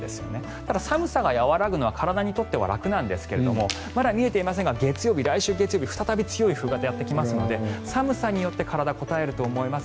ただ、寒さは和らぐのは体にとっては楽なんですがまだ見えていませんが来週月曜日は再び強い冬型がやってきますので寒さによって体にこたえると思います。